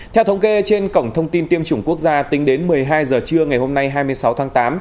theo thống kê trên cổng thông tin tiêm chủng quốc gia tính đến một mươi hai h trưa ngày hôm nay hai mươi sáu tháng tám